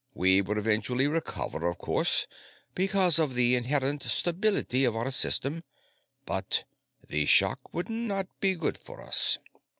We would eventually recover, of course, because of the inherent stability of our system, but the shock would not be good for us.